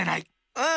うん！